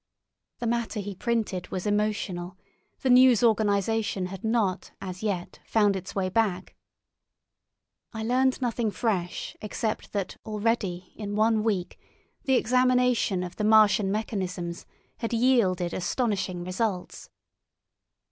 The matter he printed was emotional; the news organisation had not as yet found its way back. I learned nothing fresh except that already in one week the examination of the Martian mechanisms had yielded astonishing results.